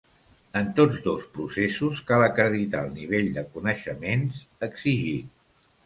En tots dos processos cal acreditar el nivell de coneixements exigit.